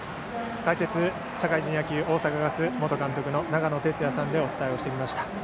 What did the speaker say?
解説、社会人野球大阪ガス元監督の長野哲也さんでお伝えをしてきました。